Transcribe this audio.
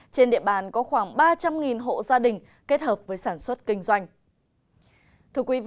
trên địa bàn có khoảng ba trăm linh hộ gia đình kết hợp với sản xuất kinh doanh